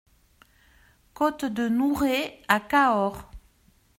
Côte de Nouret à Cahors